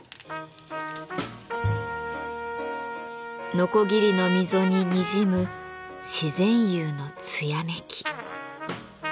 のこぎりの溝ににじむ自然釉の艶めき。